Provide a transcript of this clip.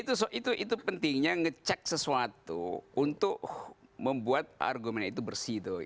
nah itu pentingnya ngecek sesuatu untuk membuat argumennya itu bersih tuh